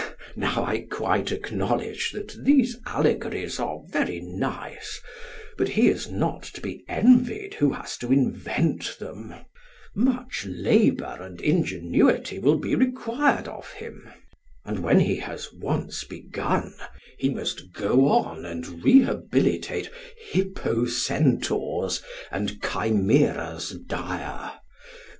Now I quite acknowledge that these allegories are very nice, but he is not to be envied who has to invent them; much labour and ingenuity will be required of him; and when he has once begun, he must go on and rehabilitate Hippocentaurs and chimeras dire.